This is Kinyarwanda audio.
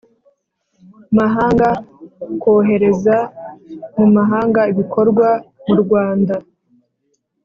mahanga kohereza mu mahanga ibikorerwa mu Rwanda